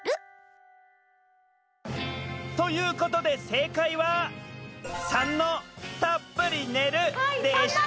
ということでせいかいは③の「たっぷり寝る」でした！